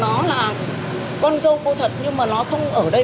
nó không ở với cô